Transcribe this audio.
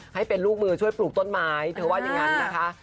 ให้เป็นลูกมือช่วยปลูกต้นไม้เธอว่าอย่างนั้นนะคะ